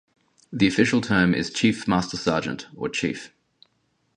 The official term is "Chief Master Sergeant" or "Chief".